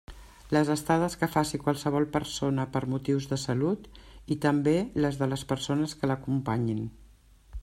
Les estades que faci qualsevol persona per motius de salut, i també les de les persones que l'acompanyin.